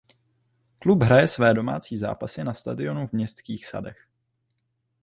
Klub hraje své domácí zápasy na stadionu v Městských sadech.